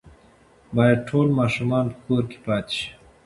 باید ټول ماشومان په کور کې پاتې شي.